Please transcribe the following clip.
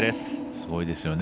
すごいですよね。